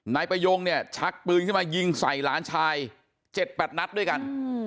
นายประยงเนี่ยชักปืนขึ้นมายิงใส่หลานชาย๗๘นัดด้วยกัน